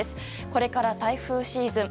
これから台風シーズン。